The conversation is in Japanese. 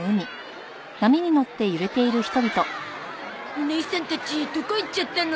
おねいさんたちどこ行っちゃったの？